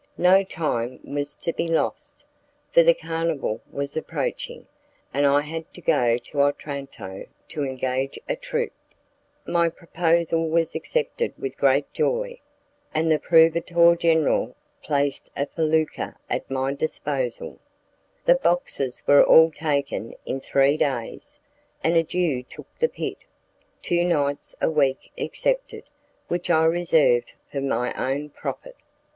No time was to be lost, for the carnival was approaching, and I had to go to Otranto to engage a troop. My proposal was accepted with great joy, and the proveditore generale placed a felucca at my disposal. The boxes were all taken in three days, and a Jew took the pit, two nights a week excepted, which I reserved for my own profit.